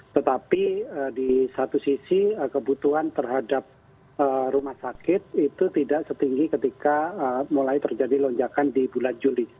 tetapi di satu sisi kebutuhan terhadap rumah sakit itu tidak setinggi ketika mulai terjadi lonjakan di bulan juli